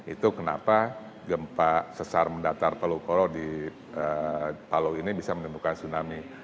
itu kenapa gempa sesar mendatar palu kolo di palu ini bisa menimbulkan tsunami